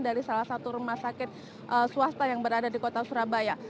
dari salah satu rumah sakit swasta yang berada di kota surabaya